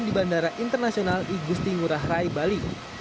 di bandara internasional igusti ngurah rai bali